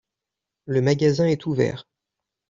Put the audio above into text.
Le magasin est ouvert.